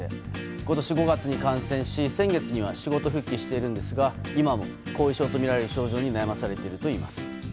今年５月に感染し先月には仕事復帰していますが今も後遺症とみられる症状に悩まされているといいます。